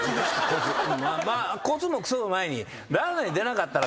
コツもクソの前にランナーに出なかったら。